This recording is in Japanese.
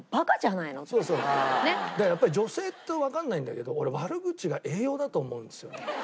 だからやっぱり女性ってわかんないんだけど俺悪口が栄養だと思うんですよね。